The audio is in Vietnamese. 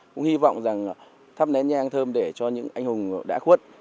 cũng hy vọng rằng thắp nén nhang thơm để cho những anh hùng đã khuất